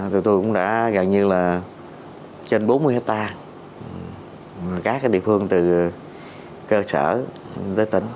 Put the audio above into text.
tụi tôi cũng đã gần như là trên bốn mươi hectare các địa phương từ cơ sở tới tỉnh